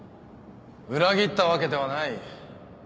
裏切ったわけではない。